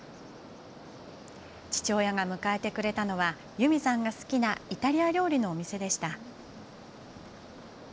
父親が迎えてくれたのはユミさんが好きなイタリア料理のお店でした。